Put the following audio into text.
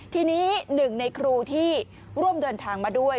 ทีนี้หนึ่งในครูที่ร่วมเดินทางมาด้วย